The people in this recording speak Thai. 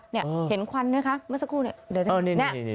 เห็นควันไหมคะเมื่อสักครู่เนี่ย